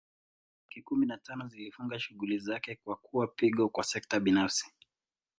Benki kumi na tano zilifunga shughuli zake na kuwa pigo kwa sekta binafsi